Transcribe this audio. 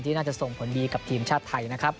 น่าจะส่งผลดีกับทีมชาติไทยนะครับ